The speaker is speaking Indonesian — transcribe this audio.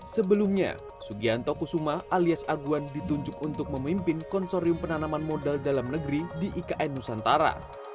sebelumnya sugianto kusuma alias aguan ditunjuk untuk memimpin konsorium penanaman modal dalam negeri di ikn nusantara